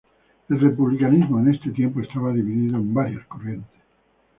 El republicanismo, en este tiempo, estaba dividido en varias corrientes.